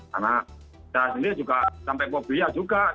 karena saya sendiri juga sampai fobia juga